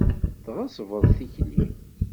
Tɣeṣbeḍ tikli!